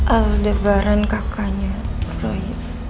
aldebaran kakaknya roy